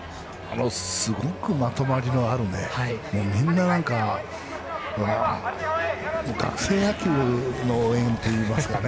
すごくまとまりのあるみんな、もう学生野球の応援といいますかね